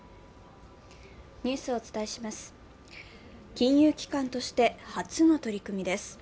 金融機関として初の取り組みです。